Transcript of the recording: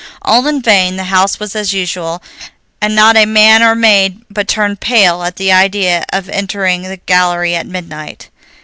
All in vain; the house was as usual, and not a man or maid but turned pale at the idea of entering the gallery at midnight.